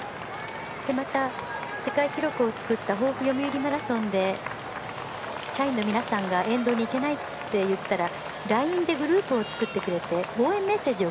また、世界記録を作った防府読売マラソンで社員の皆さんが沿道に行けないって言ったらＬＩＮＥでグループを作ってくれて応援メッセージを